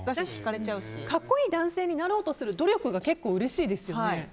格好いい男性になろうとする努力がうれしいですよね。